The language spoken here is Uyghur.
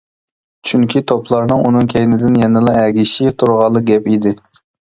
چۈنكى توپلارنىڭ ئۇنىڭ كەيندىن يەنىلا ئەگىشىشى تۇرغانلا گەپ ئىدى.